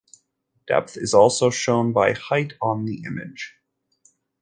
Depth is also shown by height on the image.